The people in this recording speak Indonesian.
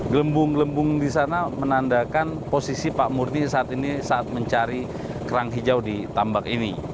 gelembung gelembung di sana menandakan posisi pak murni saat ini saat mencari kerang hijau di tambak ini